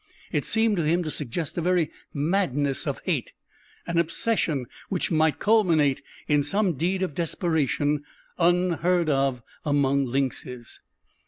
It seemed to him to suggest a very madness of hate, an obsession which might culminate in some deed of desperation unheard of among lynxes.